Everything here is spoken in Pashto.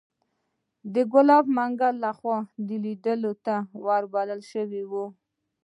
د ګلاب منګل لخوا لیدو ته وبلل شوو.